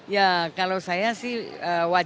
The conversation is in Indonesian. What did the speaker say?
ya kalau saya sih wajar saja ya karena mereka sudah tahu